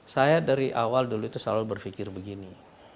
saya dari awal dulu itu selalu berpikir begini